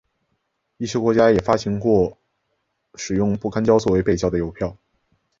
一些国家也发行过使用不干胶作为背胶的邮票。